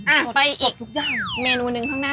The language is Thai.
อ้าไปอีกเมนูหนึ่งที่มาร้าน